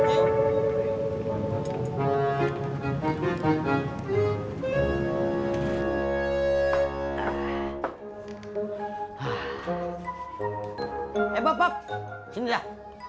eh bapak sini dah